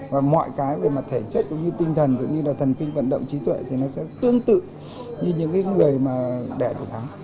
và mọi cái về mặt thể chất cũng như tinh thần cũng như là thần kinh vận động trí tuệ thì nó sẽ tương tự như những người mà đẻ của thắng